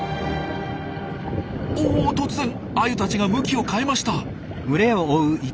お突然アユたちが向きを変えました！